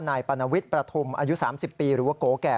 นายปรณวิทย์ประทุมอายุ๓๐ปีหรือว่าโกแก่